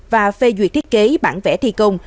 và phê duyệt thiết kế bản vẽ thi công